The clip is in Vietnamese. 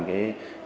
cái hệ thống